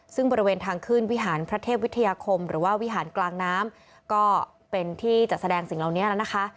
ซึ่งบริเวณทางขึ้นวิหารพระเทพวิทยาคมหรือว่าวิหารกลางน้ำก็เป็นที่จัดแสดงสิ่งเหล่านี้แล้วนะคะ